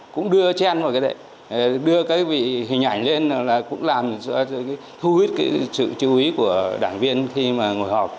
cũng đưa trên một cái đệnh đưa cái hình ảnh lên là cũng làm thu hút sự chú ý của đảng viên khi mà ngồi họp